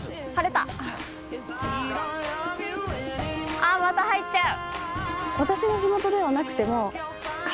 あまた入っちゃう。